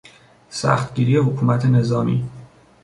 سختگیری حکومت نظامی